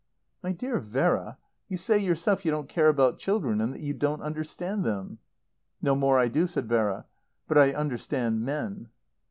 "My dear Vera, you say yourself you don't care about children and that you don't understand them." "No more I do," said Vera. "But I understand men."